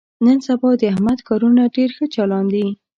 نن سبا د احمد کارونه ډېر ښه چالان دي.